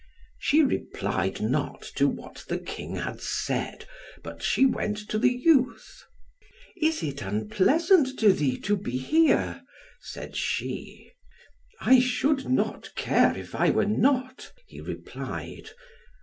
She replied not to what the king had said, but she went to the youth. "Is it unpleasant to thee to be here?" said she. "I should not care, if I were not," he replied.